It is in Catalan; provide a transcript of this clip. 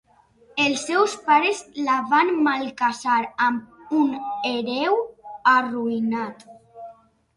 Els seus pares la van malcasar amb un hereu arruïnat.